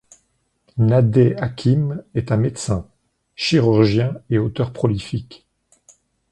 Nadey Hakim est un médecin, chirurgien et auteur prolifique.